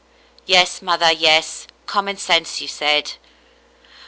" Yes, mother, yes. Common sense you said."